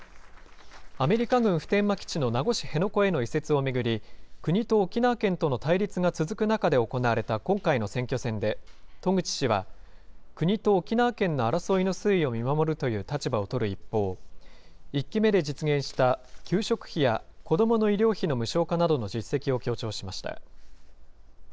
アメリカ軍普天間基地の名護市辺野古への移設を巡り、国と沖縄県との対立が続く中で行われた今回の選挙戦で、渡具知氏は、国と沖縄県の争いの推移を見守るという立場をとる一方、１期目で実現した給食費や子どもの医療費の無償化などの実績を強調しました。